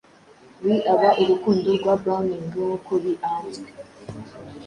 biaba urukundo rwa Browning nkuko bianzwe,